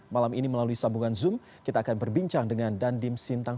malam ini melalui sambungan zoom kita akan berbincang dengan dandim sintang